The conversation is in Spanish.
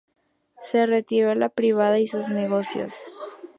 Se retiró a la vida privada y a sus negocios.